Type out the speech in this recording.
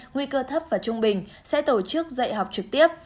nguy cơ thấp và trung bình sẽ tổ chức dạy học trực tiếp